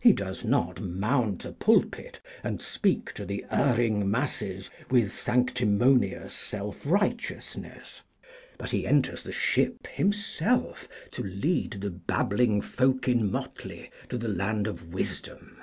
He does not mount a pulpit and speak to the erring masses with sanctimonious self righteousness; but he enters the Ship himself to lead the babbling folk in motley to the land of wisdom.